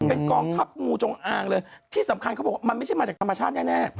เป็นกองทัพงูจงอางเลยที่สำคัญเขาบอกว่ามันไม่ใช่มาจากธรรมชาติแน่